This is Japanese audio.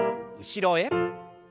後ろへ。